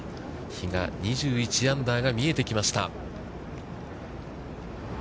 比嘉、２１アンダーが見えてきました。